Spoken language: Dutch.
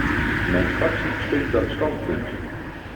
Mijn fractie steunt dat standpunt.